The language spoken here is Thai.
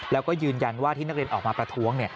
แล้วก็ยืนยันว่าที่นักเรียนออกมาประท้วง